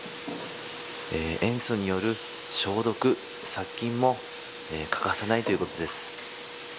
塩素による消毒、殺菌も欠かさないということです。